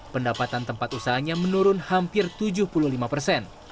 pendapatan tempat usahanya menurun hampir tujuh puluh lima persen